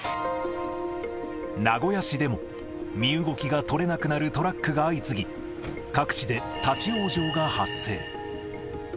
名古屋市でも、身動きが取れなくなるトラックが相次ぎ、各地で立往生が発生。